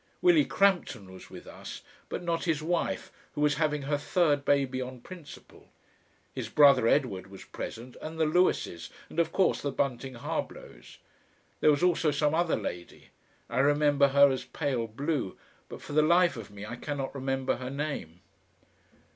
Willie Crampton was with us, but not his wife, who was having her third baby on principle; his brother Edward was present, and the Lewises, and of course the Bunting Harblows. There was also some other lady. I remember her as pale blue, but for the life of me I cannot remember her name.